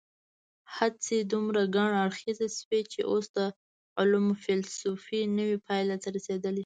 هڅې دومره ګڼ اړخیزې شوي چې اوس د علم فېلسوفي نوې پایلې ته رسېدلې.